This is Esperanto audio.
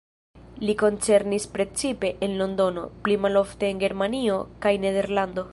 Li koncertis precipe en Londono, pli malofte en Germanio kaj Nederlando.